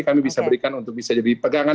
kami bisa berikan untuk bisa jadi pegangan